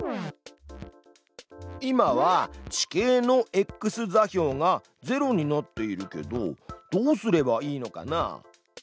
今は地形のｘ座標が０になっているけどどうすればいいのかな？